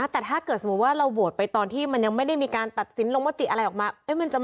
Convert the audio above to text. แต่ถ้าเกิดสมมุติว่าเราโหวตไปตอนที่มันยังไม่ได้มีการตัดสินลงมติอะไรออกมา